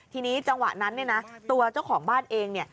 ทีนี้จังหวะนั้นนะตัวเจ้าของบ้านเอง